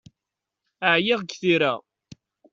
Ɛyiɣ g tira.